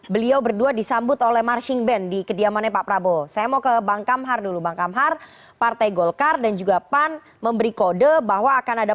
selamat sore mbak nada